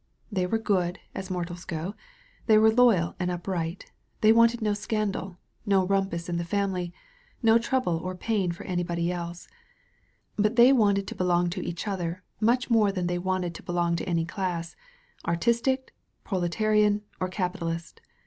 They were good, as mortals go; they were loyal and upright, they wanted no scandal, no rumpus in the family, no trouble or pain for anybody else; but they wanted to belong to each other much more than they wanted to belong to any class, artistic, proletarian, or capitalist.